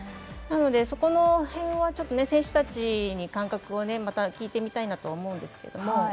なので、その辺は選手たちに感覚をまた、聞いてみたいなと思うんですけど。